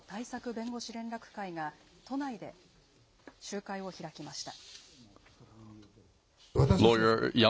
弁護士連絡会が、都内で集会を開きました。